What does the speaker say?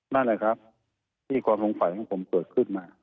นั่นแหละครับที่ความสงสัยของผมเกิดขึ้นมา